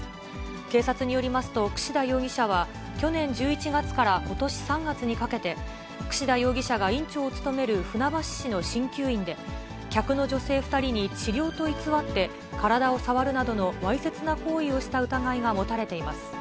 警察によりますと、櫛田容疑者は去年１１月からことし３月にかけて、櫛田容疑者が院長を務める船橋市のしんきゅう院で、客の女性２人に治療と偽って、体を触るなどのわいせつな行為をした疑いが持たれています。